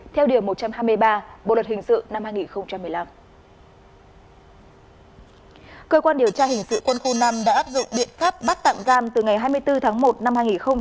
cơ quan điều tra hình sự quân khu năm đã áp dụng biện pháp bắt tạm giam từ ngày hai mươi bốn tháng một năm hai nghìn một mươi chín